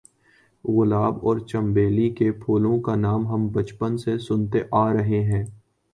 گلاب اور چنبیلی کے پھولوں کا نام ہم بچپن سے سنتے آ رہے ہیں۔